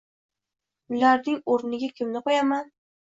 Ularning o’rniga kimni qo’yaman?!